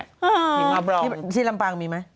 ดิมำปังมีไหม